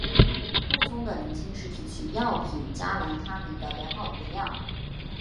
鹿葱的鳞茎是提取药品加兰他敏的良好原料。